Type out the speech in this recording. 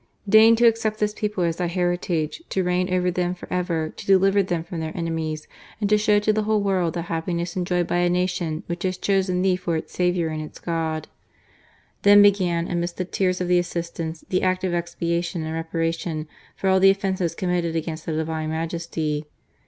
Deign to accept this people as Thy heritage, to reign over them for ever, to deliver them from their enemies. THE REPUBLIC OF THE SACRED HEART, 329 and to ^how to the whole world the happiness enjoyed by a nation which has chosen Thee for its Saviour and its God." Then began, amidst the tears of the assistants, the Act of Expiation and Reparation for all the offences committed against the Divine Majesty.